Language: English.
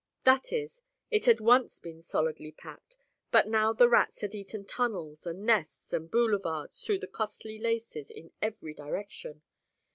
That is, it had once been solidly packed, but now the rats had eaten tunnels and nests and boulevards through the costly laces in every direction.